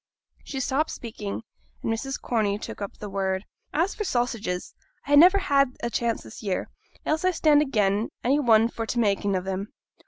She stopped speaking, and Mrs. Corney took up the word 'As for sausages, I ha' niver had a chance this year, else I stand again any one for t' making of 'em.